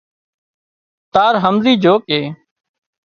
تار همزي جھو ڪي